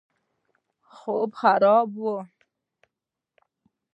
خوب خراب وو.